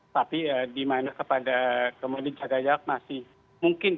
tapi di mana kepada kemudian jaga jarak masih mungkin